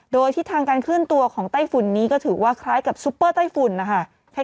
โดยทิศทางการเคลื่อนตัวของไต้ฝุ่นนี้ก็ถือว่าคล้ายกับซุปเปอร์ไต้ฝุ่นนะคะ